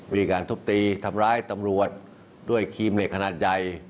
บริการทบตีทำลายตำรวจด้วยครีมเหล็กขนาดใย